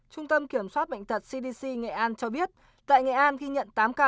trung tâm kiểm soát bệnh tật cdc nghệ an cho biết tại nghệ an ghi nhận tám ca